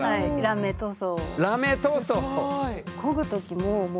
ラメ塗装。